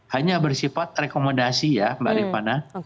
hanya bersifat rekomendasi ya mbak rifana